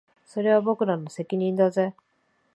それは僕らの責任だぜ